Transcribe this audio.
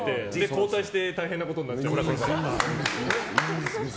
交代して大変なことになっちゃった。